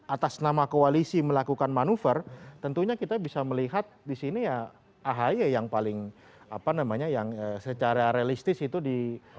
atas nama koalisi melakukan manuver tentunya kita bisa melihat disini ya ahi yang paling secara realistis itu di